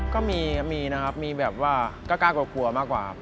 ก็มีนะครับมีแบบว่าก็กล้ากลัวมากกว่า